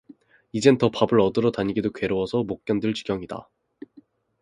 이젠 더 밥을 얻으러 다니기도 괴로워서 못 견딜 지경이다.